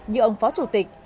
như ông phó chủ tịch